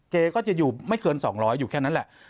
ก็จะอยู่ไม่เกิน๒๐๐อยู่แค่นั้นแหละ